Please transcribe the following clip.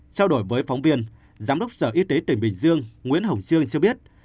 trao đổi với phóng viên giám đốc sở y tế tỉnh bình dương nguyễn hồng sương cho biết